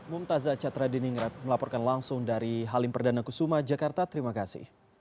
mumtazah catra diningrat melaporkan langsung dari halim perdana kusuma jakarta terima kasih